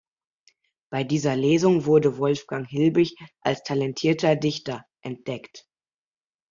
Bei dieser Lesung wurde Wolfgang Hilbig als talentierter Dichter „entdeckt“.